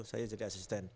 saya jadi asisten